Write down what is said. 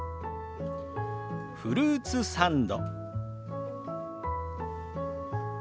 「フルーツサンド」。